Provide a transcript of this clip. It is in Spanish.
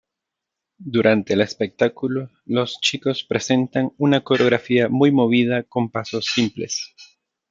Durante el espectáculo, los chicos presentan una coreografía muy movida con pasos simples.